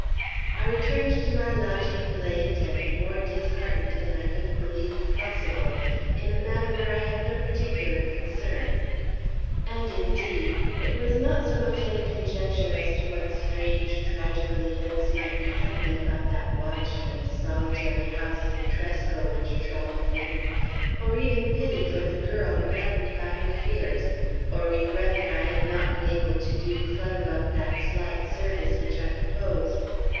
I returned to my lodging late and more disheartened than I could have believed possible in a matter wherein I had no particular concern. And, indeed, it was not so much any conjecture as to what strange tragical events might be happening about that watched and solitary house in Tresco which troubled me, or even pity for the girl maddened by her fears, or regret that I had not been able to do Clutterbuck that slight service which I purposed.